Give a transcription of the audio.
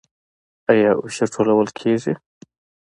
آیا عشر ټولول کیږي؟